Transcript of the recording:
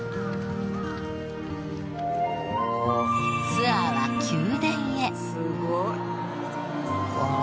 ツアーは宮殿へ。